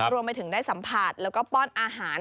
รวมไปถึงได้สัมผัสแล้วก็ป้อนอาหาร